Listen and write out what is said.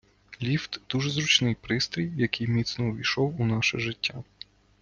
Ліфт - дуже зручний пристрій, який міцно увійшов у наше життя.